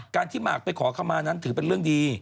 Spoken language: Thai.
ที่หมากไปขอคำมานั้นถือเป็นเรื่องดี